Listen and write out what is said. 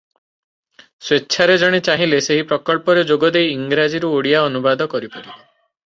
ସ୍ୱେଚ୍ଛାରେ ଜଣେ ଚାହିଁଲେ ସେହି ପ୍ରକଳ୍ପରେ ଯୋଗଦେଇ ଇଂରାଜୀରୁ ଓଡ଼ିଆ ଅନୁବାଦ କରିପାରିବ ।